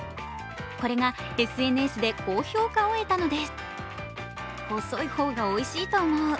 これがＳＮＳで高評価を得たのです。